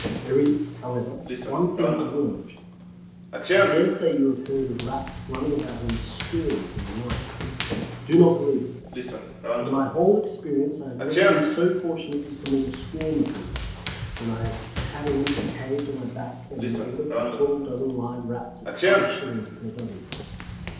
There is, however, one thing I will mention. I dare say you have heard of Rats running about in "swarms" in the night. Do not believe it. In my whole experience I have never been so fortunate as to meet a "swarm" of these, when I have had an empty cage on my back, and an order for 12 dozen live Rats at 5s. per dozen.